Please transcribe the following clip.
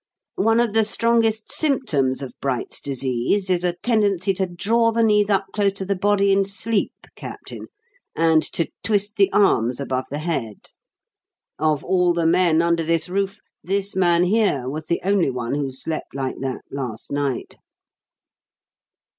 One of the strongest symptoms of Bright's disease is a tendency to draw the knees up close to the body in sleep, Captain, and to twist the arms above the head. Of all the men under this roof, this man here was the only one who slept like that last night!"